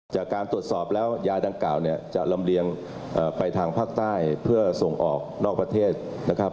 จากการตรวจสอบแล้วยาดังกล่าวเนี่ยจะลำเลียงไปทางภาคใต้เพื่อส่งออกนอกประเทศนะครับ